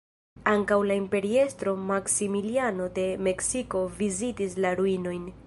Ankaŭ la imperiestro Maksimiliano de Meksiko vizitis la ruinojn.